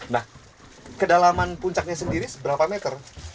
nah kedalaman puncaknya sendiri seberapa meter